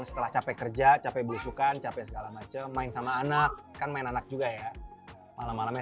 setelah capek kerja capek belusukan capek segala macam main sama anak kan main anak juga ya malam malamnya